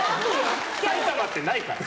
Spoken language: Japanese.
埼玉ってないから。